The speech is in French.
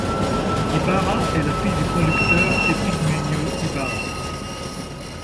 Ibarra est la fille du producteur Epigmenio Ibarra.